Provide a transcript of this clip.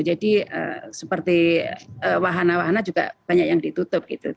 jadi seperti wahana wahana juga banyak yang ditutup gitu